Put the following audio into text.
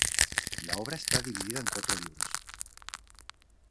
La obra está dividida en cuatro libros.